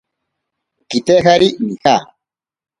Kitejari nija.